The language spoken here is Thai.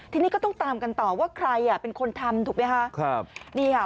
ทีนี้ก็ต้องตามกันต่อว่าใครเป็นคนทำถูกไหมคะ